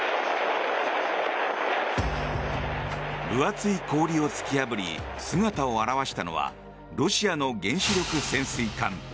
分厚い氷を突き破り姿を現したのはロシアの原子力潜水艦。